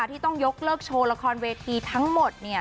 ที่ต้องยกเลิกโชว์ละครเวทีทั้งหมด